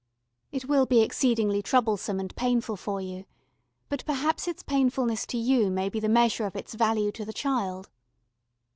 It will be exceedingly troublesome and painful for you, but perhaps its painfulness to you may be the measure of its value to the child.